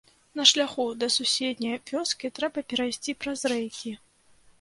На шляху да суседняй вёскі трэба перайсці праз рэйкі.